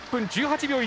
１分１８秒１８。